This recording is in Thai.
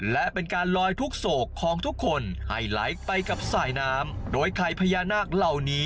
และไปกับสายน้ำโดยไข่พญานาคเหล่านี้